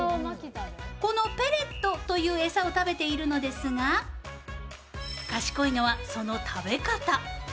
このペレットという餌を食べているのですが賢いのはその食べ方。